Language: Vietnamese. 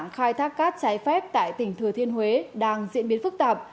khai thác cát trái phép tại tỉnh thừa thiên huế đang diễn biến phức tạp